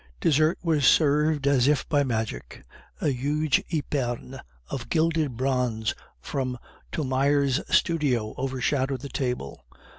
Dessert was served as if by magic. A huge epergne of gilded bronze from Thomire's studio overshadowed the table.